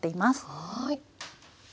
はい。